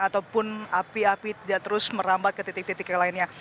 ataupun api api tidak terus merambat ke titik titik yang lainnya